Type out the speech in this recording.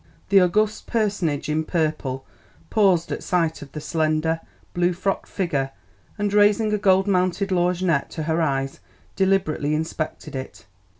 The august personage in purple paused at sight of the slender, blue frocked figure, and raising a gold mounted lorgnette to her eyes deliberately inspected it.